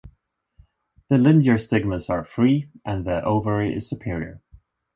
The linear stigmas are free, and the ovary is superior.